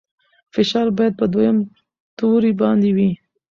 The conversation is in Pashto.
فشار باید په دویم توري باندې وي.